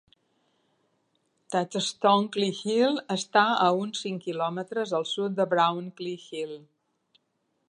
Titterstone Clee Hill està a uns cinc quilòmetres al sud de Brown Clee Hill.